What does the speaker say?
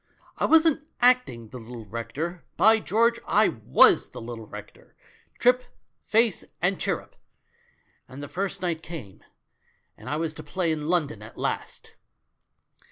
I wasn't acting the little rector — by George, I was the little rector, trip, face and chirrup. And the first night came, and I was to play in London at last